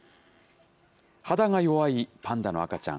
肌が弱いパンダの赤ちゃん。